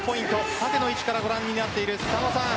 縦の位置からご覧になっている佐野さん